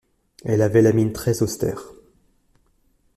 Elle avait la mine très-austère